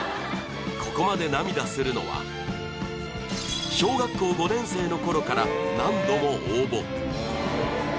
ここまで涙するのは小学校５年生の頃から何度も応募。